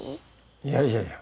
いやいやいや。